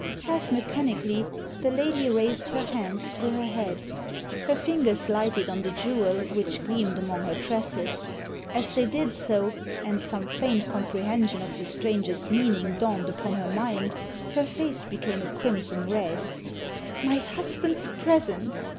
Half mechanically the lady raised her hand to her head Her fingers lighted on the jewel which gleamed among her tresses. As they did so, and some faint comprehension of the stranger's meaning dawned upon her mind, her face became a crimson red. My husband's present!